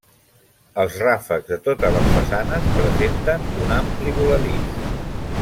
Els ràfecs de totes les façanes presenten un ampli voladís.